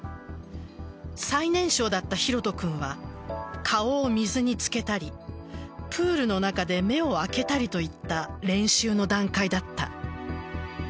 最年少だった拓杜くんは顔を水につけたりプールの中で目を開けたりといった練習の段階だった。